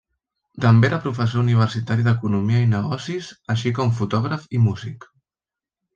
També era professor universitari d'economia i negocis així com fotògraf i músic.